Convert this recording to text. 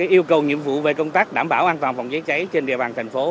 yêu cầu nhiệm vụ về công tác đảm bảo an toàn phòng trái chữa trái trên địa bàn thành phố